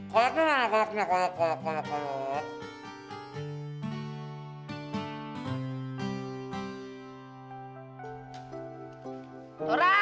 kolaknya mana kolaknya kolak kolak kolak kolak